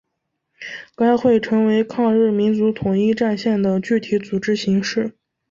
该会成为抗日民族统一战线的具体组织形式。